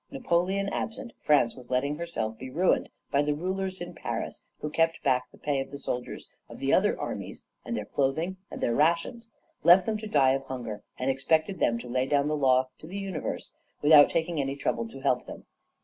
Napoleon absent, France was letting herself be ruined by the rulers in Paris, who kept back the pay of the soldiers of the other armies, and their clothing, and their rations; left them to die of hunger, and expected them to lay down the law to the universe without taking any trouble to help them.